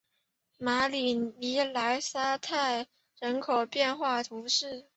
马里尼莱沙泰人口变化图示